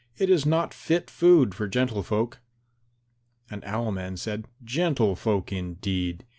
It is not fit food for gentle folk." And Owl man said, "Gentle folk indeed!